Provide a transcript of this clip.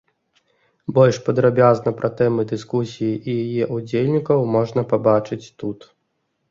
Больш падрабязна пра тэмы дыскусіі і яе ўдзельнікаў можна пабачыць тут.